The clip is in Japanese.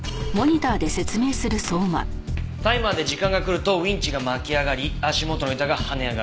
タイマーで時間が来るとウィンチが巻き上がり足元の板が跳ね上がる。